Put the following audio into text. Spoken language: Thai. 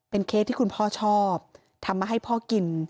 เค้กที่คุณพ่อชอบทำมาให้พ่อกิน